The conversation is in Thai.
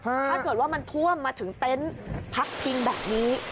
ถ้าเกิดว่ามันท่วมมาถึงเต็นต์พักพิงแบบนี้